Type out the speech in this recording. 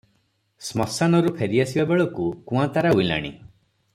ଶ୍ମଶାନରୁ ଫେରି ଆସିବା ବେଳକୁ କୁଆଁତାରା ଉଇଁଲାଣି ।